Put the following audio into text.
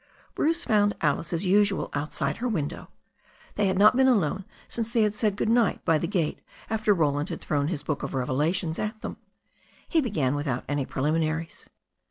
Bruce found Ali^e, as usual, outside her window. They had not been alone since they had said good night by the gate after Roland had thrown his book of revelations at them. He began without any preliminaries.